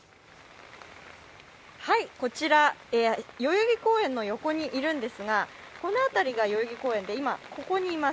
こちら代々木公園の横にいるんですが、この辺りが代々木公園で今、ここにいます。